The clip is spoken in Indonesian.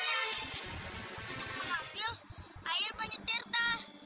hidupmu mengambil air banyak terta